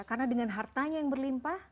karena dengan hartanya yang berlimpah